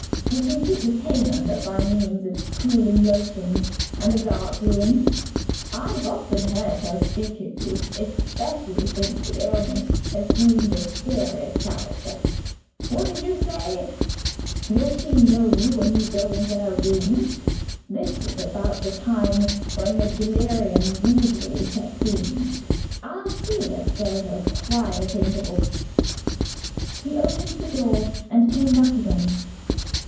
We can keep the pain under by means of cooling lotions and a dark room. I've often heard her speak of you especially since the illness assumed a serious character. What did you say? Will she know you, when you go into her room? This is about the time when the delirium usually sets in. I'll see if there's a quiet interval." He opened the door and came back again.